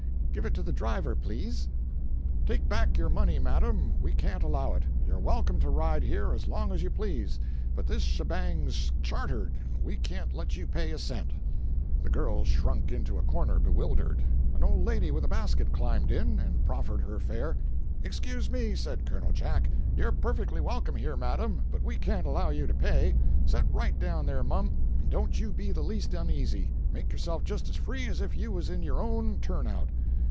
"Give it to the driver, please." "Take back your money, madam. We can't allow it. You're welcome to ride here as long as you please, but this shebang's chartered, and we can't let you pay a cent." 327.jpg (34K) The girl shrunk into a corner, bewildered. An old lady with a basket climbed in, and proffered her fare. "Excuse me," said Col. Jack. "You're perfectly welcome here, madam, but we can't allow you to pay. Set right down there, mum, and don't you be the least uneasy. Make yourself just as free as if you was in your own turn out."